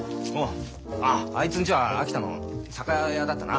あっあいつんちは秋田の酒屋だったな。